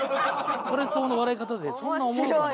それ相応の笑い方でそんなおもんない。